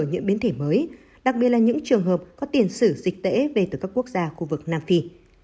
những biến thể mới đặc biệt là những trường hợp có tiền sử dịch tễ về từ các quốc gia khu vực nam phi